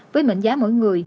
với mệnh giá mỗi người